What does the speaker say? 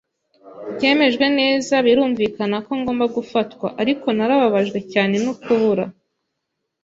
byemejwe neza, birumvikana ko ngomba gufatwa; ariko narababajwe cyane no kubura